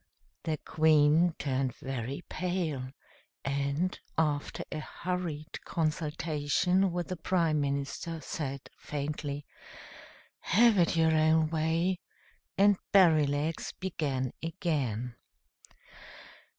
The Queen turned very pale, and, after a hurried consultation with the Prime Minister, said faintly, "Have it your own way;" and Berrylegs began again.